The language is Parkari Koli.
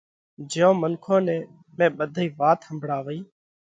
جئيون منکون نئہ مئين ٻڌئي وات ۿمڀۯاوئِيه۔